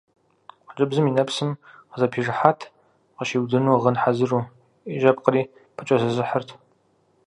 Хъыджэбзым и нэпсым къызэпижыхьат, къыщиуду гъын хьэзыру, и жьэпкъри пыкӀэзызыхьырт.